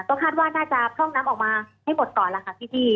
ก็คาดว่าน่าจะพร่องน้ำออกมาให้หมดก่อนล่ะค่ะพี่